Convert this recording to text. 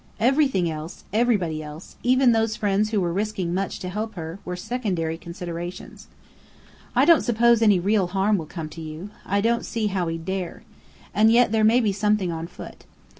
Everything else, everybody else even these friends who were risking much to help her were secondary considerations. "I don't suppose real harm will come to you. I don't see how he'd dare. And yet there may be something on foot.